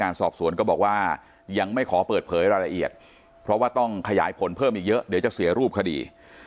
รายละเอียดเพราะว่าต้องขยายผลเพิ่มเยอะเดี๋ยวจะเสียรูปคดี